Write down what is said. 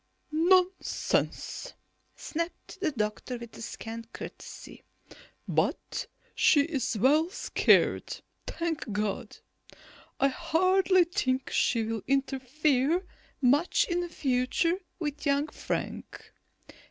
"Nonsense," snapped the doctor with scant courtesy. "But she is well scared, thank God. I hardly think she will interfere much in future with young Frank.